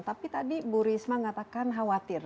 tapi tadi bu risma katakan khawatir